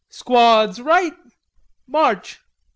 "Squads, right! March!